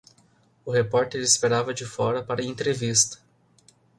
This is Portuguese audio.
O repórter esperava de fora para a entrevista.